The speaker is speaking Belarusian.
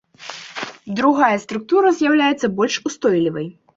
Другая структура з'яўляецца больш устойлівай.